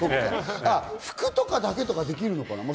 服とかだけとかできるのかな？